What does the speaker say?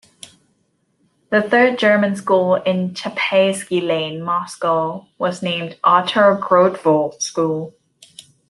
The Third German School in Chapayesky Lane, Moscow, was named Otto Grotewohl School.